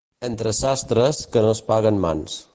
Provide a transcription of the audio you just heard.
Entre sastres no es paguen mans.